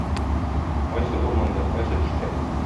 Кайсы урманда, кайсы төштә?